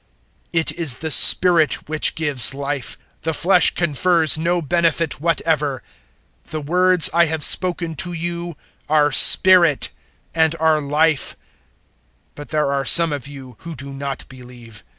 006:063 It is the spirit which gives Life. The flesh confers no benefit whatever. The words I have spoken to you are spirit and are Life. 006:064 But there are some of you who do not believe."